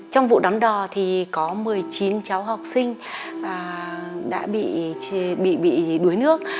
trong vụ đắm đò thì có một mươi chín cháu học sinh đã bị đuối nước